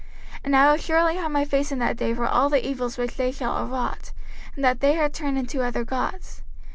05:031:018 And I will surely hide my face in that day for all the evils which they shall have wrought, in that they are turned unto other gods.